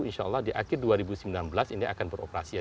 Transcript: insya allah di akhir dua ribu sembilan belas ini akan beroperasi ya